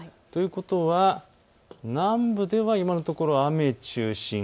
ということは南部では今のところ雨が中心。